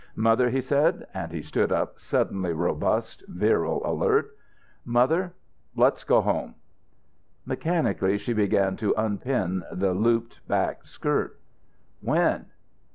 "Mother," he said and he stood up, suddenly robust, virile, alert "mother, let's go home." Mechanically she began to unpin the looped back skirt. "When?"